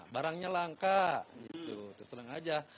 barangnya langka terserang saja